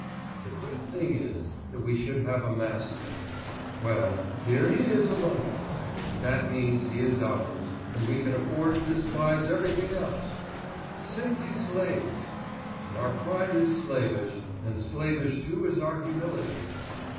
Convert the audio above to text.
But the great thing is, that we should have a master. Well, here he is amongst us; that means he is ours, and we can afford to despise everything else! Simply slaves! And our pride is slavish, and slavish too is our humility.